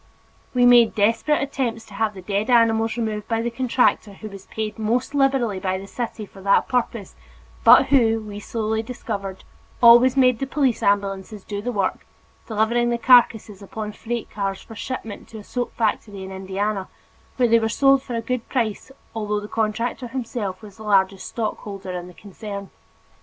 We made desperate attempts to have the dead animals removed by the contractor who was paid most liberally by the city for that purpose but who, we slowly discovered, always made the police ambulances do the work, delivering the carcasses upon freight cars for shipment to a soap factory in Indiana where they were sold for a good price although the contractor himself was the largest stockholder in the concern.